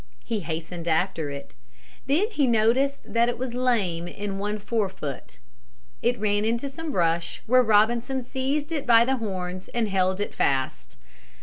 He hastened after it. Then he noticed that it was lame in one fore foot. It ran into some brush, where Robinson seized it by the horns and held it fast.